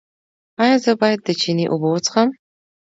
ایا زه باید د چینې اوبه وڅښم؟